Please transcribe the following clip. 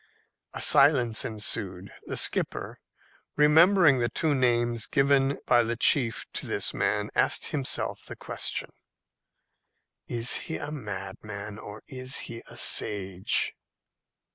A silence ensued. The skipper, remembering the two names given by the chief to this man, asked himself the question, "Is he a madman, or is he a sage?"